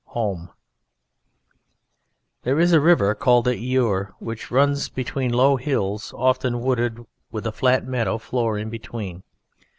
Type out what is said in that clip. HOME There is a river called the Eure which runs between low hills often wooded, with a flat meadow floor in between.